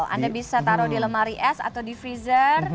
anda bisa taruh di lemari es atau di freezer